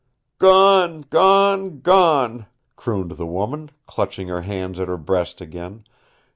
"Gone, gone, gone," crooned the woman, clutching her hands at her breast again.